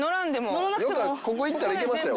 ここ行ったらいけましたよ。